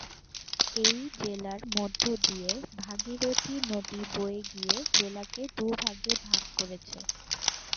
এই জেলার মধ্য দিয়ে ভাগীরথী নদী বয়ে গিয়ে জেলাকে দুভাগে ভাগ করেছে।